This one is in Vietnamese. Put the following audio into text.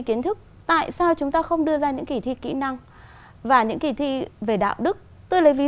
kiến thức tại sao chúng ta không đưa ra những kỳ thi kỹ năng và những kỳ thi về đạo đức tôi lấy ví